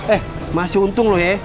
eh masih untung lo ye